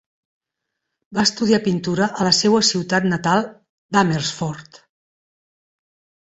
Va estudiar pintura a la seua ciutat natal d'Amersfoort.